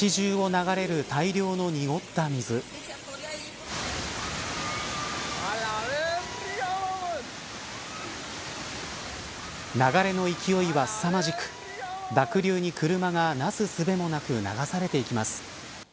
流れの勢いは、すさまじく濁流に車が、なすすべもなく流されていきます。